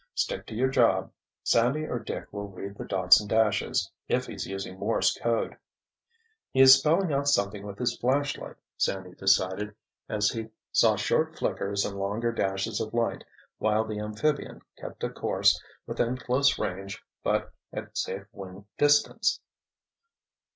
"Stick to your job. Sandy or Dick will read the dots and dashes—if he's using Morse code——" "He is spelling out something with his flashlight," Sandy decided, as he saw short flickers and longer dashes of light while the amphibian kept a course within close range but at safe wing distance.